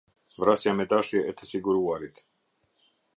Vrasja me dashje e të siguruarit.